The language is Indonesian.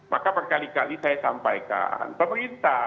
maka berkali kali saya sampaikan pemerintah